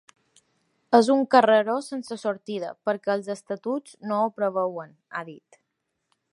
És un carreró sense sortida, perquè els estatuts no ho preveuen, ha dit.